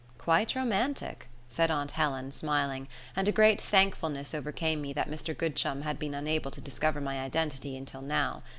"Quite romantic," said aunt Helen, smiling; and a great thankfulness overcame me that Mr Goodchum had been unable to discover my identity until now.